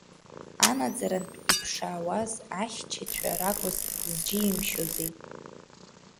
Анаӡарантә иԥшуаз ахьчацәа ракәыз зџьимшьози.